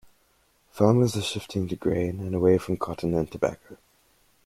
Farmers are shifting to grain and away from cotton and tobacco.